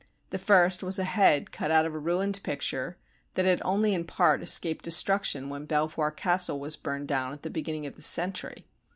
The first was a head cut out of a ruined picture that had only in part escaped destruction when Belvoir Castle was burned down at the beginning of this century.